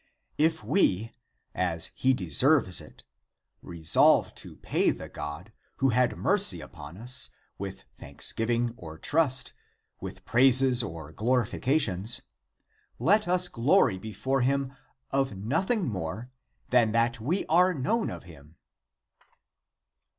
If we, as he deserves it, resolve to pay to the God, who had mercy upon us, with thanksgiving or trust, with praises or glori fications, let us glory before him of nothing more than that we are known of Him